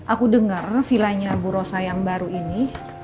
aku dengar villanya bu rosa yang baru ini